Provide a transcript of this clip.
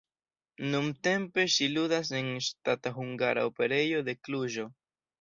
Nuntempe ŝi ludas en Ŝtata Hungara Operejo de Kluĵo.